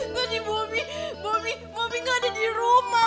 tadi bomi gak ada di rumah